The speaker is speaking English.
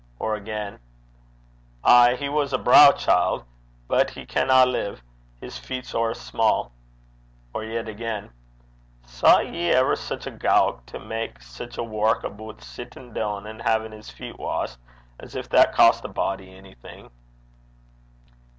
Or again: 'Ay, he was a braw chield. But he canna live. His feet's ower sma'.' Or yet again: 'Saw ye ever sic a gowk, to mak sic a wark aboot sittin' doon an' haein' his feet washed, as gin that cost a body onything!'